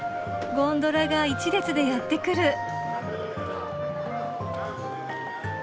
ゴンドラが一列でやってくる。